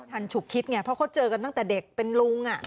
ฉุกคิดไงเพราะเขาเจอกันตั้งแต่เด็กเป็นลุง